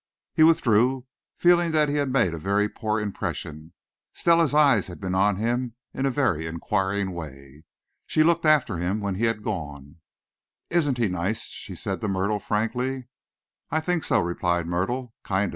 He withdrew, feeling that he had made a very poor impression. Stella's eyes had been on him in a very inquiring way. She looked after him when he had gone. "Isn't he nice?" she said to Myrtle frankly. "I think so," replied Myrtle; "kind o'.